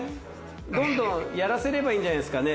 どんどんやらせればいいんじゃないですかね。